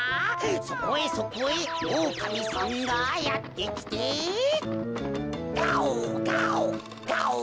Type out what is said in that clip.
そこへそこへおおかみさんがやってきてガオガオガオ！